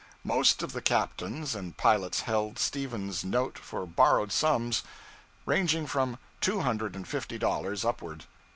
Most of the captains and pilots held Stephen's note for borrowed sums, ranging from two hundred and fifty dollars upward.